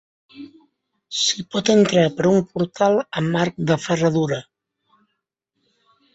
S'hi pot entrar per un portal amb arc de ferradura.